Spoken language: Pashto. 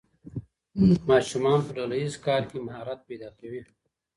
ماشومان په ډله ییز کار کې مهارت پیدا کوي.